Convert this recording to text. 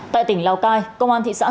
tại tỉnh lào cai công an thị xã sài gòn